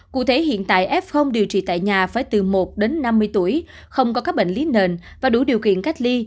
cụ thể hiện tại f điều trị tại nhà phải từ một đến năm mươi tuổi không có các bệnh lý nền và đủ điều kiện cách ly